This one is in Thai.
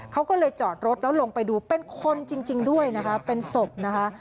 เขาก็เลยจอดรถแล้วลงไปดูเป็นคนจริงด้วยนะคะเป็นศพนะคะ